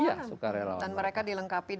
iya dan mereka dilengkapi